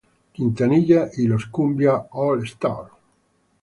Quintanilla Y Los Kumbia All Starz.